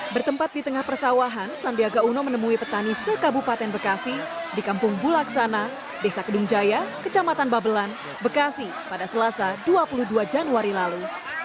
bertempat di tengah persawahan sandiaga uno menemui petani sekabupaten bekasi di kampung bulaksana desa kedung jaya kecamatan babelan bekasi pada selasa dua puluh dua januari lalu